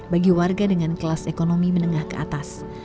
bagi warga dengan kelas ekonomi menengah ke atas